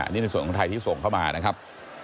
นี่ในส่วนของไทยที่ส่งเข้ามานะครับ